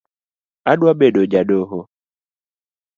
Adwa bedo ja doho